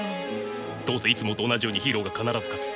どうせいつもと同じようにヒーローが必ず勝つ。